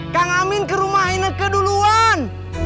kang amin ke rumah ineke duluan